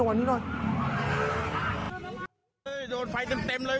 โฮยตัวไฟเต็มเลย